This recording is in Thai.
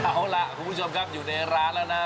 เอาล่ะคุณผู้ชมครับอยู่ในร้านแล้วนะ